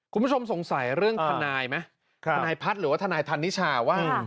คุณผู้ชมสงสัยเรื่องทนายไหมทนายพัฒน์หรือว่าทนายธันนิชาว่า